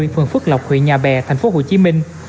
phường phước lộc huyện nhà bè thành phố hồ chí minh